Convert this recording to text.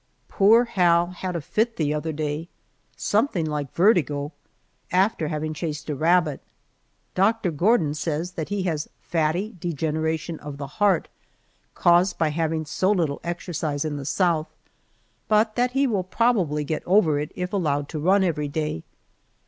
Poor Hal had a fit the other day, something like vertigo, after having chased a rabbit. Doctor Gordon says that he has fatty degeneration of the heart, caused by having so little exercise in the South, but that he will probably get over it if allowed to run every day.